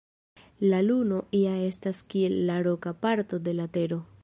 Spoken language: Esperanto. La Luno ja estas kiel la roka parto de la Tero.